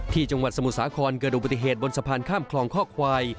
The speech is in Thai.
จังหวัดสมุทรสาครเกิดอุบัติเหตุบนสะพานข้ามคลองข้อควาย